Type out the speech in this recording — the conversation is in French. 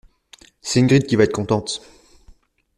C’est Ingrid qui va être contente!